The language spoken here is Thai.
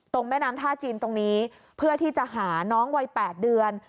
แม่น้ำท่าจีนตรงนี้เพื่อที่จะหาน้องวัย๘เดือน